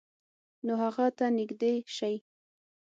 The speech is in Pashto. نو هغه ته نږدې شئ،